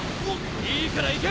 いいから行け！